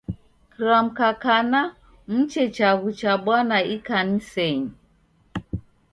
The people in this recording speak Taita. Kiramka kana muche chaghu cha Bwana ikanisenyi.